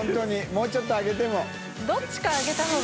發ちょっと上げても。